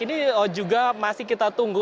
ini juga masih kita tunggu